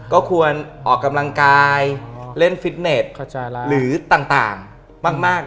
ก็ควรออกกำลังกายเล่นฟิตเน็ตหรือต่างมาก